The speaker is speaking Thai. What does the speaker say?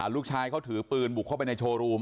ลูกชายเขาถือปืนบุกเข้าไปในโชว์รูม